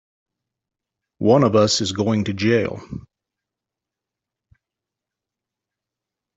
One of us is going to jail!